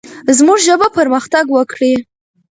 زموږ ژبه پرمختګ وکړي.